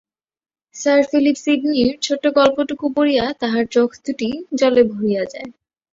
Sir Philip সিডনির ছোট্ট গল্পটুকু পড়িয়া তাহার চোখ দুটি জলে ভরিয়া যায়।